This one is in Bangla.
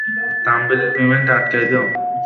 বেরিয়ে যান এখান থেকে!